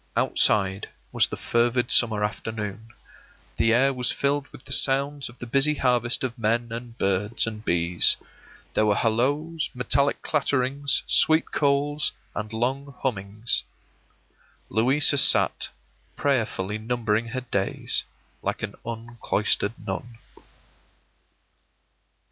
Outside was the fervid summer afternoon; the air was filled with the sounds of the busy harvest of men and birds and bees; there were halloos, metallic clatterings, sweet calls, and long hummings. Louisa sat, prayerfully numbering her days, like an uncloistered nun.